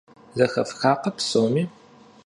Зэхэфхакъэ псоми?